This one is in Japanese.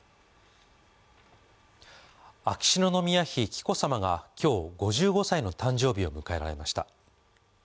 秋篠宮妃・紀子さまが今日５５歳の誕生日を迎えられました。